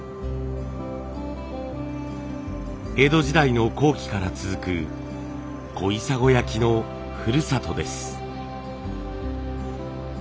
江戸時代の後期から続く小砂焼のふるさとです。